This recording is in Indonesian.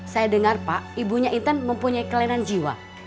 saya dengar pak ibunya intan mempunyai kelainan jiwa